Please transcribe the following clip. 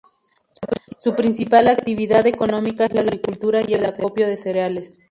Su principal actividad económica es la agricultura y el acopio de cereales.